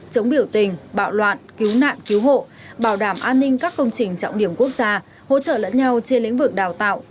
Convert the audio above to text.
chống biểu tình bạo loạn cứu nạn cứu hộ bảo đảm an ninh các công trình trọng điểm quốc gia hỗ trợ lẫn nhau trên lĩnh vực đào tạo